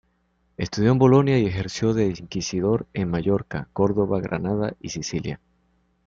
Estudió en Bolonia y ejerció de inquisidor en Mallorca, Córdoba, Granada y Sicilia.